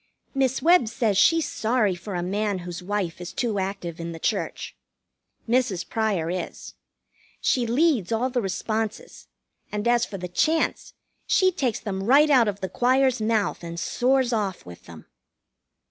Miss Webb says she's sorry for a man whose wife is too active in the church. Mrs. Pryor is. She leads all the responses; and as for the chants, she takes them right out of the choir's mouth and soars off with them.